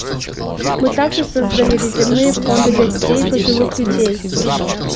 Мы также создали резервные фонды для детей и пожилых людей.